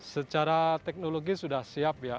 secara teknologi sudah siap ya